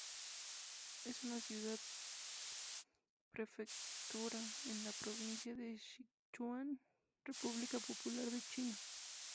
Es una ciudad-prefectura en la provincia de Sichuan, República Popular de China.